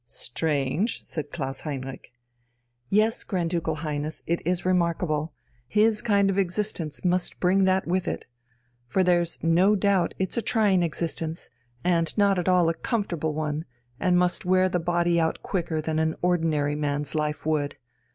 "Strange," said Klaus Heinrich. "Yes, Grand Ducal Highness, it is remarkable. His kind of existence must bring that with it. For there's no doubt it's a trying existence, and not at all a comfortable one, and must wear the body out quicker than an ordinary man's life would.